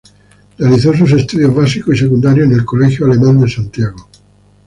Realizó sus estudios básicos y secundarios en el Colegio Alemán de Santiago.